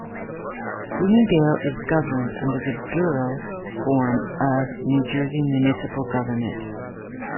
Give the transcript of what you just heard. Bloomingdale is governed under the Borough form of New Jersey municipal government.